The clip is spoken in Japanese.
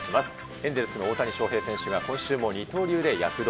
エンゼルスの大谷翔平選手が今週も二刀流で躍動。